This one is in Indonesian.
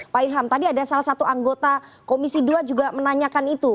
pak ilham tadi ada salah satu anggota komisi dua juga menanyakan itu